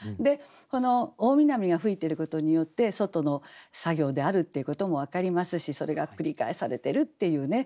この「大南風」が吹いてることによって外の作業であるっていうことも分かりますしそれが繰り返されてるっていうね。